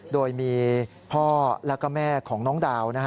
โดยมีพ่อแล้วก็แม่ของน้องดาว